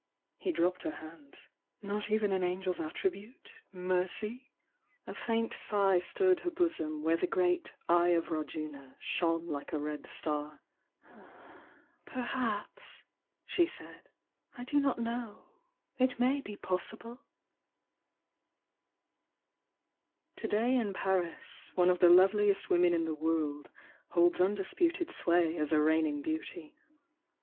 He dropped her hands. "Not even an angel's attribute— mercy?" 880 THE YOUNG DIANA A faint sigh stirred her bosom where the great "Eye of Rajuna" shone like a red star. "Perhaps! " she said — "I do not know — it may be possible 1" t ..ii To day in Paris one of the loveliest women in the world holds undisputed sway as a reigning beauty.